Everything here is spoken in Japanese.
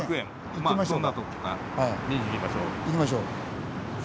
行きましょう。